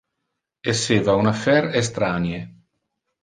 Esseva un affaire estranie.